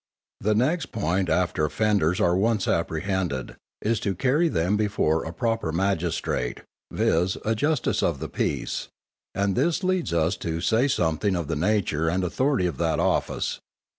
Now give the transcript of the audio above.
_ _The next point after offenders are once apprehended, is to carry them before a proper magistrate, viz., a Justice of the Peace, and this leads us to say something of the nature and authority of that office.